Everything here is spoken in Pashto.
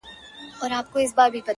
قېمتي نوي جامې یې وې په ځان کي -